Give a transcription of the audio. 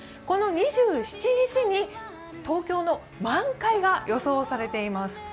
この２７日に東京の満開が予想されています。